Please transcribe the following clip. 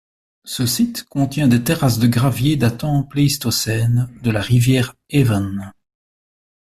Ce site contient des terrasses de graviers datant Pléistocène de la rivière Avon.